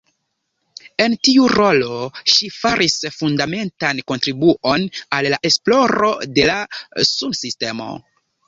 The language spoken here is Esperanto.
En tiu rolo, ŝi faris fundamentan kontribuon al la esploro de la sunsistemo.